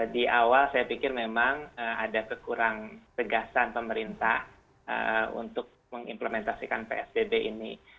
di awal saya pikir memang ada kekurang tegasan pemerintah untuk mengimplementasikan psbb ini